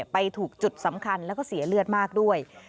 ไปถูกจุดสำคัญแล้วก็เสียเลือดมากด้วย